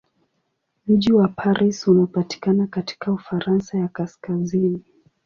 Mji wa Paris unapatikana katika Ufaransa ya kaskazini.